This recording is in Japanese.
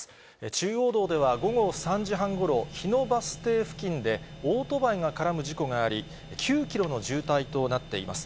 中央道では午後３時半ごろ、日野バス停付近で、オートバイが絡む事故があり、９キロの渋滞となっています。